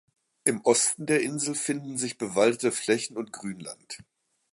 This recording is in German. Im Osten der Insel finden sich bewaldete Flächen und Grünland.